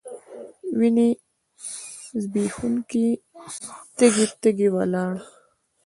وینې ځبېښونکي تږي، تږي ولاړ